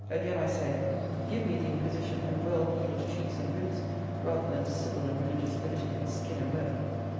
Again I say, give me the Inquisition and well healed cheeks and ribs, rather than "civil and religious liberty," and skin and bone.